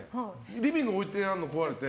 リビングに置いてあるのが壊れて。